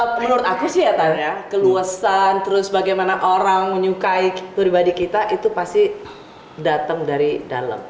menurut aku sih ya tadi ya keluasan terus bagaimana orang menyukai pribadi kita itu pasti datang dari dalam